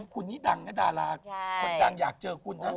คุณนี่ดังนะดาราคนดังอยากเจอคุณนะ